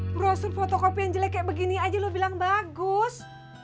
brosur fotokopi yang jelek kayak begini aja lo bilang bagus